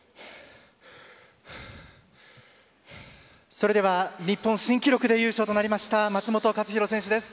それでは日本新記録で優勝となりました松元克央選手です。